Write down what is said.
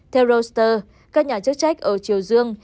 theo reuters các nhà chức trách ở triều dương